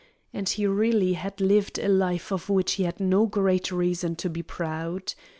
And he really had lived a life of which he had no great reason to be proud.